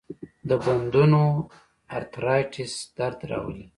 د بندونو ارترایټس درد راولي.